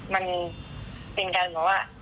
มันเป็นการบอกว่า